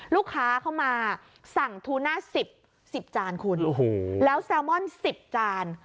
ลูกค้าเข้ามาสั่งทูน่า๑๐๑๐จานคุณโอ้โหแล้วแซลมอน๑๐จาน